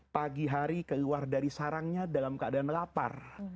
pagi hari keluar dari sarangnya dalam keadaan lapar